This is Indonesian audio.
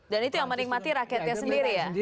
dan itu yang menikmati rakyatnya sendiri ya